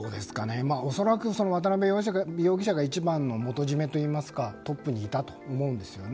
恐らく、渡辺容疑者が一番の元締めといいますかトップにいたと思うんですよね。